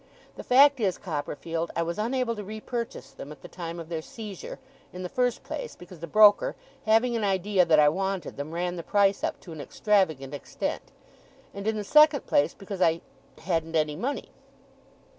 The fact is, Copperfield, I was unable to repurchase them at the time of their seizure; in the first place, because the broker, having an idea that I wanted them, ran the price up to an extravagant extent; and, in the second place, because I hadn't any money.